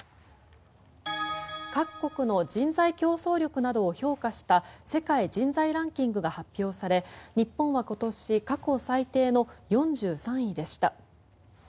各国の人材競争力などを評価した世界人材ランキングが発表され日本は今年過去最低の４３位でした。